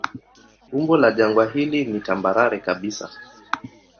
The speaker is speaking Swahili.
Umbo la jangwa hili ni tambarare kabisa.